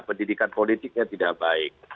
pendidikan politiknya tidak baik